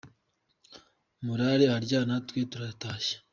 Murare aharyana twe turatashye.